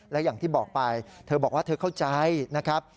และอย่างที่บอกไปเธอบอกว่าเธอเข้าใจนะครับ